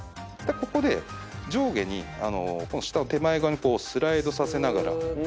ここで上下にこの下を手前側にスライドさせながら。